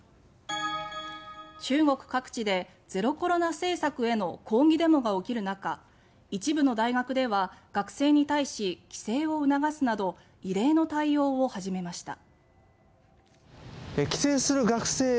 中国各地でゼロコロナ政策への抗議デモが起きるなか一部の大学では学生に対し帰省を促すなど異例の対応を始めました。